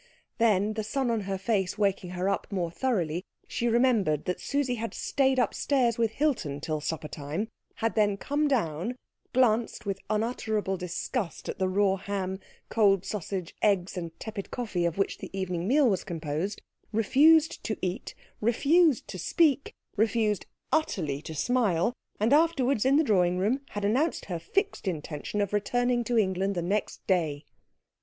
Then, the sun on her face waking her up more thoroughly, she remembered that Susie had stayed upstairs with Hilton till supper time, had then come down, glanced with unutterable disgust at the raw ham, cold sausage, eggs, and tepid coffee of which the evening meal was composed, refused to eat, refused to speak, refused utterly to smile, and afterwards in the drawing room had announced her fixed intention of returning to England the next day.